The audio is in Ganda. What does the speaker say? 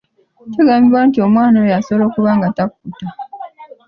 Kigambibwa nti omwana oyo asobola okuba nga takkuta.